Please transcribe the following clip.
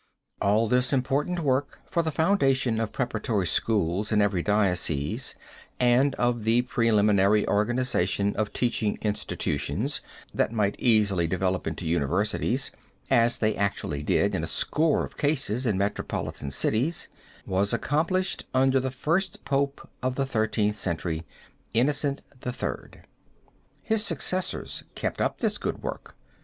All this important work for the foundation of preparatory schools in every diocese and of the preliminary organization of teaching institutions that might easily develop into universities, as they actually did in a score of cases in metropolitan cities, was accomplished under the first Pope of the Thirteenth Century, Innocent III. His successors kept up this good work.